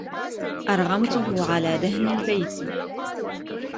أرغمته على دهن البيت.